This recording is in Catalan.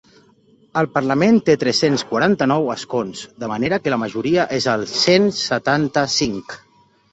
El parlament té tres-cents quaranta-nou escons, de manera que la majoria és el cent setanta-cinc.